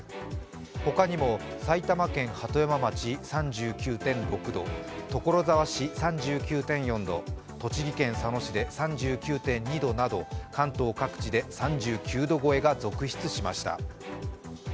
他にも埼玉県鳩山町３９．６度所沢市３９．４度、栃木県佐野市で３９．２度など関東各地で３９度超えが続出しました。